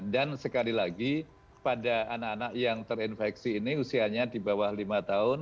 dan sekali lagi pada anak anak yang terinfeksi ini usianya di bawah lima tahun